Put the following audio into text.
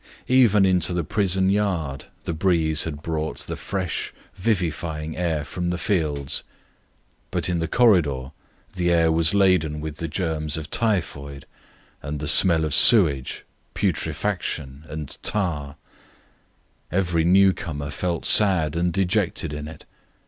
Even into the prison yard the breeze had brought the fresh vivifying air from the fields. But in the corridor the air was laden with the germs of typhoid, the smell of sewage, putrefaction, and tar; every newcomer felt sad and dejected in it.